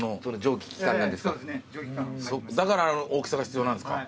だから大きさが必要なんですか。